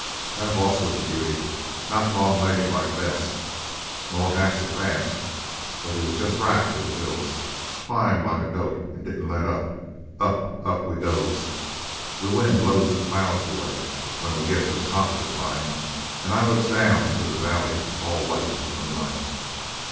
"That hoss was a beauty. Not long legged like Bess, nor half so fast, but he was jest right for the hills. Climbed like a goat and didn't let up. Up and up we goes. The wind blows the clouds away when we gets to the top of the climb and I looks down into the valley all white in the moonlight.